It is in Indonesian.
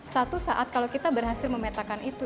satu saat kalau kita berhasil memetakan itu